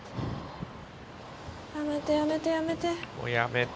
やめて、やめて、やめて。